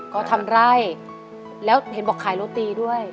ก็ทำไร่แล้วเห็นบอกขายโรตีด้วย